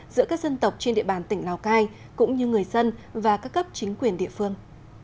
giữa các dân tộc trên địa bàn tỉnh lào cai cũng như người dân và các cấp chính quyền địa phương